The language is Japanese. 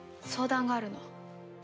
相談があるの。